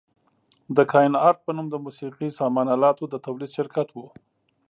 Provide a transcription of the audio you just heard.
د کاین ارټ په نوم د موسقي سامان الاتو د تولید شرکت و.